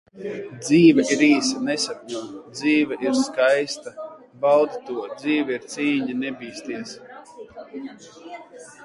Dzīve ir īsa - nesapņo, Dzīve ir skaista - baudi to, Dzīve ir cīņa - nebīsties!